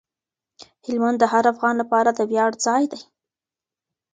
هلمند د هر افغان لپاره د ویاړ ځای دی.